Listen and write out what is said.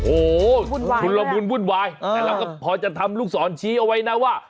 โอ้โหชุนละมุนวุ่นวายแต่เราก็พอจะทำลูกศรชี้เอาไว้นะว่า